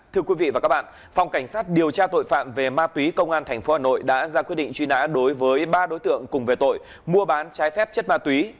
thưa quý vị và các bạn phòng cảnh sát điều tra tội phạm về ma túy công an tp hà nội đã ra quyết định truy nã đối với ba đối tượng cùng về tội mua bán trái phép chất ma túy